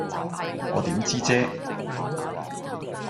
我點知啫